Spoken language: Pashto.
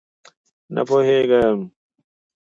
_نه پوهېږم.